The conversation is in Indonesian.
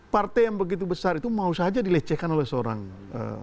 partai yang begitu besar itu mau saja dilecehkan oleh seorang presiden